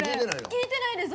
聞いてないです。